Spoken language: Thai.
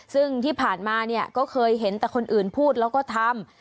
ซึ่งที่ผ่านมาเนี่ยก็เคยเห็นแต่คนอื่นพูดแล้วก็ทำ